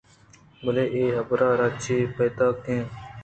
بلئے اے حبرءَ را چے پائدگ